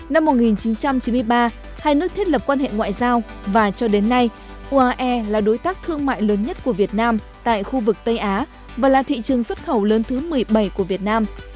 năm một nghìn chín trăm chín mươi ba hai nước thiết lập quan hệ ngoại giao và cho đến nay uae là đối tác thương mại lớn nhất của việt nam tại khu vực tây á và là thị trường xuất khẩu lớn thứ một mươi bảy của việt nam